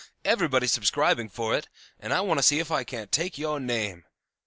Everybody subscribing for it, and I want to see if I can't take your name.